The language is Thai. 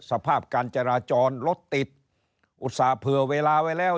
สภาพการจราจรรถติดอุตส่าห์เผื่อเวลาไว้แล้ว